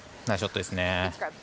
ナイスショットですね。